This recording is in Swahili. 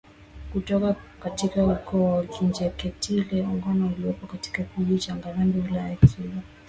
kutoka katika ukoo wa Kinjeketile Ngwale uliopo katika Kijiji cha Ngarambi Wilaya ya Kilwa